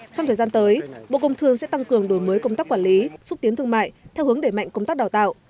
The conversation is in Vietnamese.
trong thời gian tới bộ công thương sẽ tăng cường đổi mới công tác quản lý xúc tiến thương mại theo hướng để mạnh công tác đào tạo